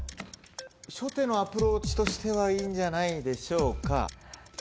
初手のアプローチとしてはいいんじゃないでしょうか。